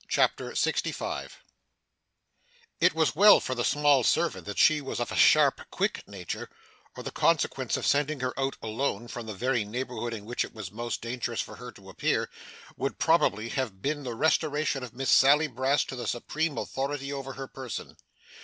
CHAPTER 65 It was well for the small servant that she was of a sharp, quick nature, or the consequence of sending her out alone, from the very neighbourhood in which it was most dangerous for her to appear, would probably have been the restoration of Miss Sally Brass to the supreme authority over her person.